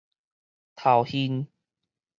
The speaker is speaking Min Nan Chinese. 頭眩